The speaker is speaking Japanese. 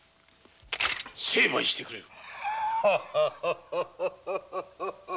成敗してくれる！